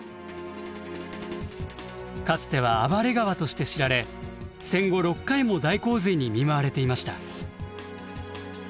かつては暴れ川として知られ戦後６回も大洪水に見舞われていました。